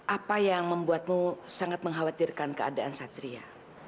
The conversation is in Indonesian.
apa yang membuatmu sangat mengkhawatirkan keadaan satria